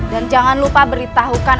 dan jangan lupa beritahukan